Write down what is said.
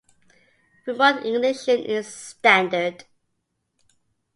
Remote ignition is standard.